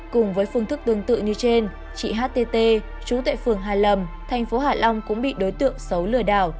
cùng với phương thức tương tự như trên chị htt chú tại phường hà lâm thành phố hạ long cũng bị đối tượng xấu lừa đảo